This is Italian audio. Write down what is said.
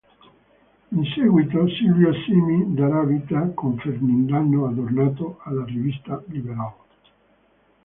In seguito Silvio Simi darà vita con Ferdinando Adornato alla rivista Liberal.